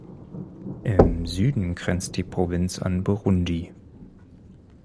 Im Süden grenzt die Provinz an Burundi.